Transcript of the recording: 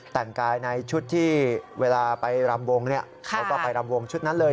แต่งกายในชุดที่เวลาไปรำวงเขาก็ไปรำวงชุดนั้นเลย